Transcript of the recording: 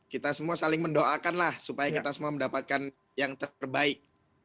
kita semua saling mendoakanlah supaya kita semua mendapatkan yang terbaik